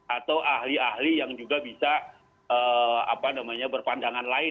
atau ahli ahli yang juga bisa berpandangan lain